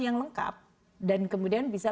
yang lengkap dan kemudian bisa